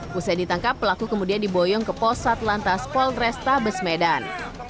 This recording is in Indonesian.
pusat ditangkap pelaku kemudian diboyong ke posat lantas polrestabes medan